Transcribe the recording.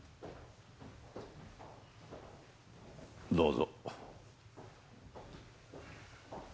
どうぞ。